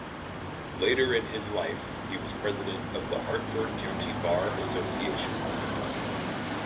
Later in his life he was president of the Hartford County Bar Association.